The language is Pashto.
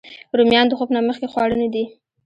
رومیان د خوب نه مخکې خواړه نه دي